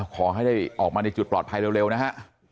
ขอให้ได้ออกมาในจุดปลอดภัยเร็วนะฮะ